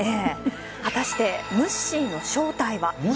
果たしてムッシーの正体は。